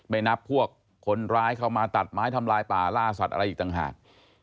ไม่นับพวกคนร้ายเข้ามาตัดไม้ทำลายป่าล่าสัตว์อะไรอีกต่างหาก